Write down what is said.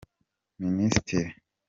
minisitiri.